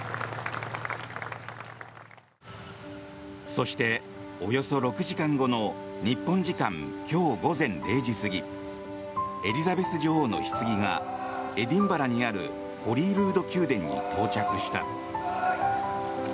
そして、およそ６時間後の日本時間今日午前０時過ぎエリザベス女王のひつぎがエディンバラにあるホリールード宮殿に到着した。